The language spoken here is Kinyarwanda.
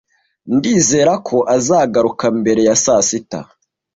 Ndizera ko azagaruka mbere ya sasita.